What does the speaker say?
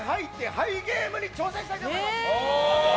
はいゲームに挑戦したいと思います。